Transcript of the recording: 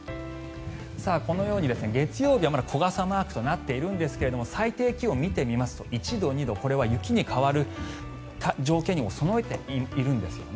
このように月曜日は、まだ小傘マークとなっているんですが最低気温見てみますと１度、２度これは雪になる条件に届いているんですよね。